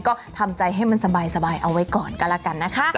ก็ทำใจให้มันสบายเอาไว้ก่อนก็แล้วกันนะคะ